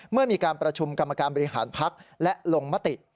เมื่อมีการประชุมกรรมการบริหารพักและลงมติ